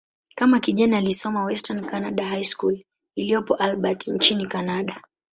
Kama kijana, alisoma "Western Canada High School" iliyopo Albert, nchini Kanada.